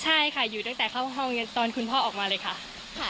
ใช่ค่ะอยู่ตั้งแต่เข้าห้องตอนคุณพ่อออกมาเลยค่ะ